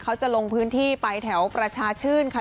เขาจะลงพื้นที่ไปแถวประชาชื่นค่ะ